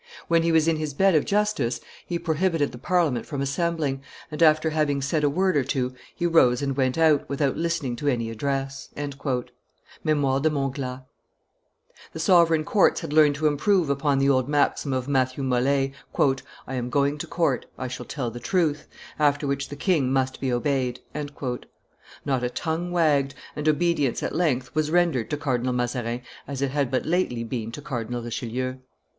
When he was in his bed of justice, he prohibited the Parliament from assembling, and, after having said a word or two, he rose and went out, without listening to any address." [Memoires de Montglat, t. ii.] The sovereign courts had learned to improve upon the old maxim of Matthew Mole: "I am going to court; I shall tell the truth; after which the king must be obeyed." Not a tongue wagged, and obedience at length was rendered to Cardinal Mazarin as it had but lately been to Cardinal Richelieu.